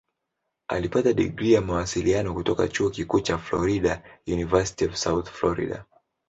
Alipata digrii ya Mawasiliano kutoka Chuo Kikuu cha Florida "University of South Florida".